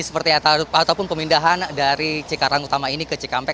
seperti ataupun pemindahan dari cikarang utama ini ke cikampek